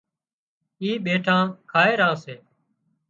اِي ٻيٺان کائي ران سي